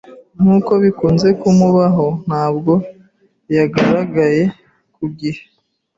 Nkuko bikunze kumubaho, ntabwo yagaragaye ku gihe.